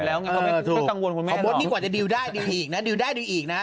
เออถูกเอาบทนี่กว่าจะดีลได้ดีลอีกนะดีลได้ดีลอีกนะ